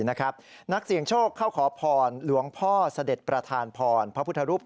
นักเสียงโชคเข้าขอพรหลวงพ่อเสด็จประธานพร